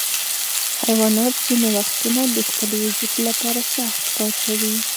حیوانات ځینې وختونه د خپل وجود لپاره سخت کار کوي.